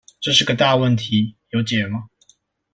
這是個大問題，有解嗎？